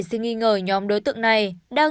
sự nghi ngờ nhóm đối tượng này đang